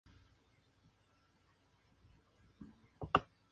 A la vez, colaborará en otra amplia serie de publicaciones, incluso extranjeras.